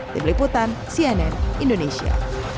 di beliputan cnn indonesia